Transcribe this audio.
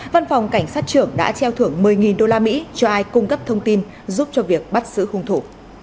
văn phòng cảnh sát trưởng đã treo thưởng một mươi usd cho ai cung cấp thông tin giúp cho việc bắt xử hung thủ